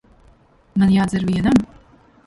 Man jādzer vienam?